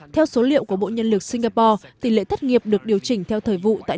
theo số liệu của bộ nhân lược singapore tỉ lệ thất nghiệp được điều chỉnh theo thời vụ tại